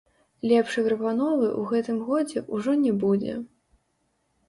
Лепшай прапановы ў гэтым годзе ўжо не будзе!